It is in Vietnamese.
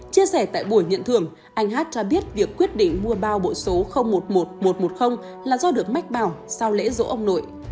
chia sẻ tại buổi nhận thưởng anh hát cho biết việc quyết định mua bao bộ số một mươi một nghìn một trăm một mươi là do được mách bảo sau lễ dỗ ông nội